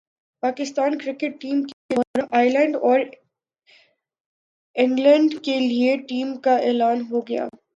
Pakistan cricket team کے دورہ Ireland اور انگلینڈ کیلئے ٹیم کا اعلان ہو گیا